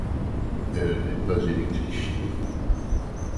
Elle n'est pas électrifiée.